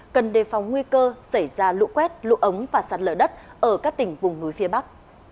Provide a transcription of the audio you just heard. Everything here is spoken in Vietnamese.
cần đề phòng nguy cơ xảy ra lũ quét lũ ống và sạt lở đất ở các tỉnh vùng núi phía bắc